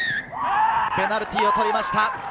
ペナルティーを取りました。